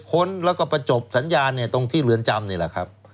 ครับก็ไปให้นะครับ